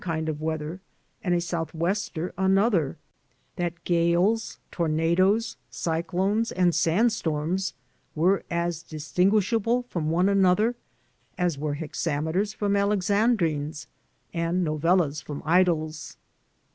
kind of weather and a south wester another; that gales, tornadoes, cyclones, and sand storms were as dis tinguishable from one another as were hexameters from alexandrines and novellas from idyls.